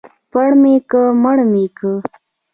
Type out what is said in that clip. ـ پړ مى که مړ مى که.